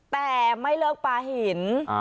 แต่ไม่เลิกปลาหิน